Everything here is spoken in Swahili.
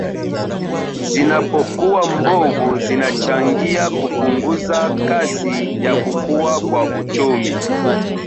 Zinazopokuwa mbovu zinachangia kupunguza kasi ya kukua kwa uchumi